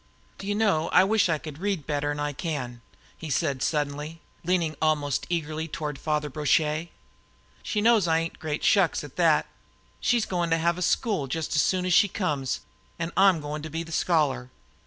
"Do you know, I wish I could read better 'n I can!" he said suddenly, leaning almost eagerly toward Father Brochet. "She knows I ain't great shucks at that. She's goin' to have a school just as soon as she comes, an' I'm goin' to be the scholar.